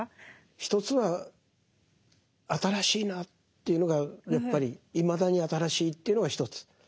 一つは新しいなというのがやっぱりいまだに新しいというのが一つ。